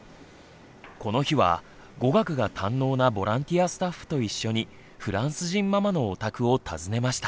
この日は語学が堪能なボランティアスタッフと一緒にフランス人ママのお宅を訪ねました。